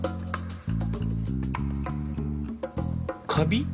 カビ？